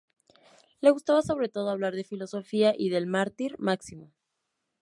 Le gustaba sobre todo hablar de filosofía y del mártir Máximo.